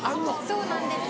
そうなんです。